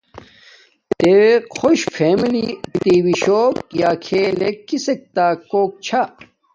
تے خوش فیلمی تی وی شوک یا کیھلکا کسک تا کوک چھاہ۔